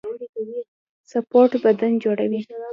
سپورټ بدن جوړوي